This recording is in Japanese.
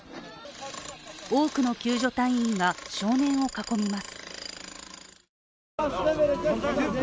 多くの救助隊員が少年を囲みます。